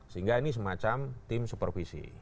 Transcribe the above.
sehingga ini semacam tim supervisi